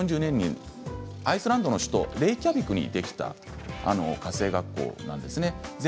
１９４２年にアイスランドの首都レイキャビクにできた家政学校です。